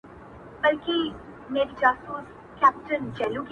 ځكه دنيا مي ته يې ـ